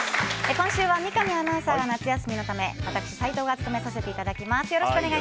今週は三上アナウンサーが夏休みのため私、斉藤が務めさせていただきます。